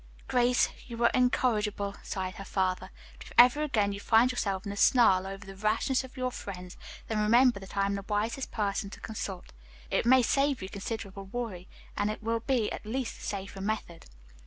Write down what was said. "Grace, you are incorrigible," sighed her father, "but if ever again you find yourself in a snarl over the rashness of your friends, then remember that I am the wisest person to consult. It may save you considerable worry, and will be at least a safer method."